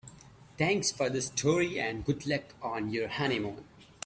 Thanks for the story and good luck on your honeymoon.